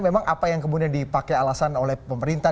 memang apa yang kemudian dipakai alasan oleh pemerintah